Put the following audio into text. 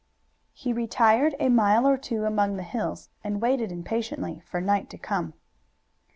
He retired a mile or two among the hills, and waited impatiently for night to come.